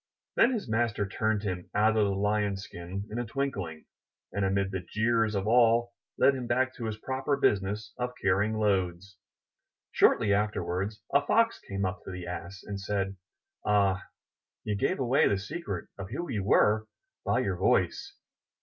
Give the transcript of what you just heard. Then his master turned him out of the Lion's skin in a twinkling, and, amid the jeers of all, led him back to his proper business of carrying loads. Shortly afterwards a Fox came up to the Ass and said, Ah, you gave away the secret of who you were by your voice.